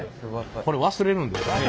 これ忘れるんですよね。